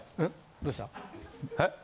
どうした？